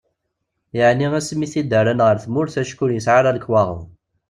Yeɛni asmi i t-id-rran ɣer tmurt acku ur yesɛi ara lekwaɣeḍ.